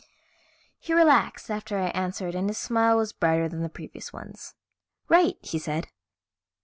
He relaxed after I answered and his smile was brighter than the previous ones. "Right," he said.